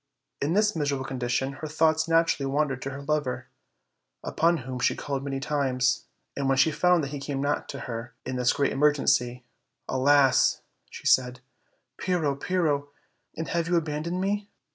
In this miserable condition her thoughts naturally wan dered to her lover, upon whom she called many times, and, when she found that he came not to her in this great emergency, "Alas!" she said, "Pyrrho, Pyrrho! and have you abandoned me?"